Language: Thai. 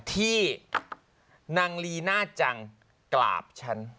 ที่นางลีน่าจังกราบฉัน